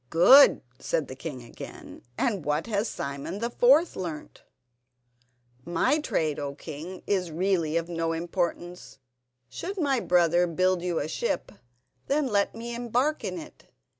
"Good," said the king again; "and what has Simon the fourth learnt?" "My trade, O king, is really of no importance. Should my brother build you a ship, then let me embark in it.